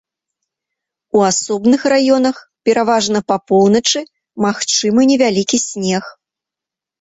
У асобных раёнах, пераважна па поўначы, магчымы невялікі снег.